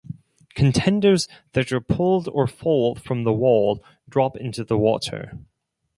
Contenders that are pulled or fall from the Wall drop into the water.